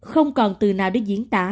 không còn từ nào để diễn tả